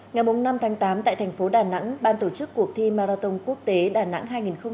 ngày năm tháng tám tại thành phố đà nẵng ban tổ chức cuộc thi marathon quốc tế đà nẵng hai nghìn một mươi chín